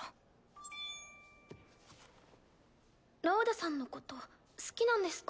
ピピィーラウダさんのこと好きなんですか？